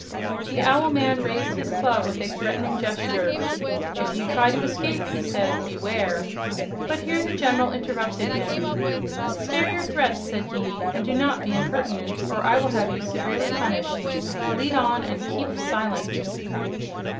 The owl man raised his club with a threatening gesture. "If you try to escape," he said, "beware " But here the General interrupted him. "Spare your threats," said he, "and do not be impertinent, or I will have you severely punished. Lead on, and keep silent!"